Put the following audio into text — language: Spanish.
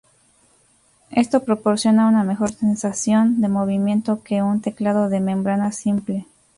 Esto proporciona una mejor sensación de movimiento que un teclado de membrana simple.